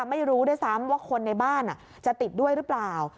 ไม่รู้ด้วยซ้ำว่าคนในบ้านจะติดด้วยหรือเปล่า